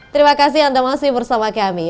terima kasih anda masih bersama kami